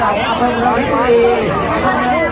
ขอบคุณมากนะคะแล้วก็แถวนี้ยังมีชาติของ